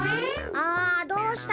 あどうしたの？